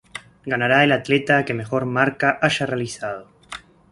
Ganará el atleta que mejor marca haya realizado.